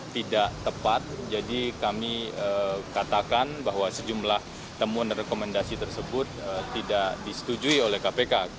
tidak tepat jadi kami katakan bahwa sejumlah temuan dan rekomendasi tersebut tidak disetujui oleh kpk